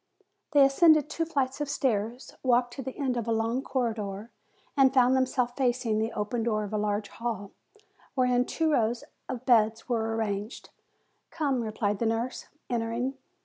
They ascended two flights of stairs, walked to the end of a long corridor, and found themselves facing the open door of a large hall, wherein two rows of DADDY'S NURSE 133 beds were arranged. "Come," replied the nurse, entering.